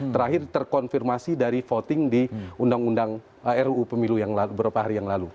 terakhir terkonfirmasi dari voting di undang undang ruu pemilu yang beberapa hari yang lalu